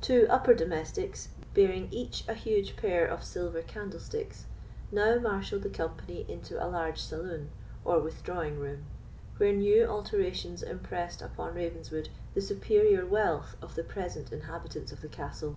Two upper domestics, bearing each a huge pair of silver candlesticks, now marshalled the company into a large saloon, or withdrawing room, where new alterations impressed upon Ravenswood the superior wealth of the present inhabitants of the castle.